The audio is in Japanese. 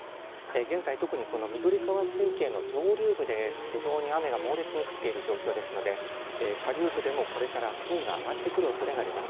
現在特にこの緑川水系の上流部で非常に雨が猛烈に降っている状況ですので下流部でもこれから水位が上がってくるおそれがあります。